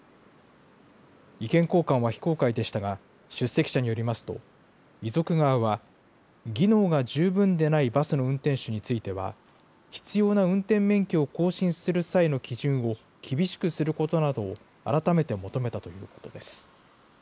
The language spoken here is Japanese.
意見交換は非公開でしたが、出席者によりますと、遺族側は、技能が十分でないバスの運転手については、必要な運転免許を更新する際の基準を厳しくすることなどを改めて求めたということです。